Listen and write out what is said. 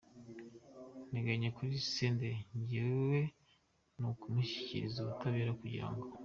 nteganya kuri Senderi njyewe ni ukumushyikiriza ubutabera kugira ngo.